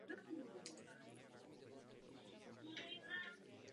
V obci se nachází kostel svaté Máří Magdalény.